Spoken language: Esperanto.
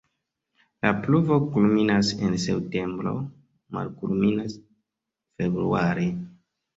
La pluvo kulminas en septembro, malkulminas februare.